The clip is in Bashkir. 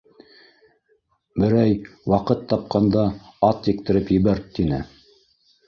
Берәй ваҡыт тапҡанда ат ектереп ебәрт, — тине.